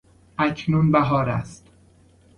اکنون بهار است.